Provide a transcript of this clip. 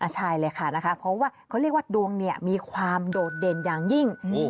ใช่เลยค่ะนะคะเพราะว่าเขาเรียกว่าดวงเนี่ยมีความโดดเด่นอย่างยิ่ง